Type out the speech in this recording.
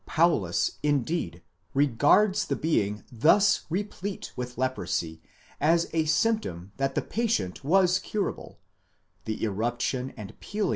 Paulus, indeed, regards the being thus replete with leprosy as a symptom that the patient was curable (the eruption and peeling 438 PART II.